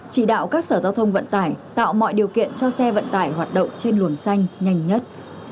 chỉ đạo các sở giao thông vận tải tạo mọi điều kiện cho xe vận tải hoạt động trên luồng xanh nhanh nhất